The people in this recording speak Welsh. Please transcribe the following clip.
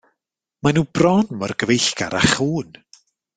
Maen nhw bron mor gyfeillgar â chŵn.